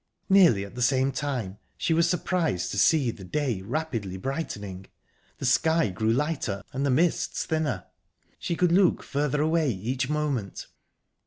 Nearly at the same time she was surprised to see the day rapidly brightening. The sky grew lighter, and the mists thinner; she could look further away each moment.